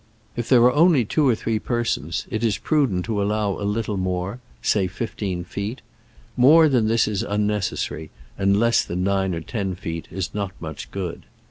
If there are only two or three persons, it is prudent to allow a little more — say fifteen feet. More than this is unnecessary, and less than nine or ten feet is not much good.